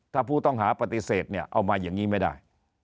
ถ้าผู้ต้องหาปฏิเสธเนี่ยเอามาอย่างนี้ไม่ได้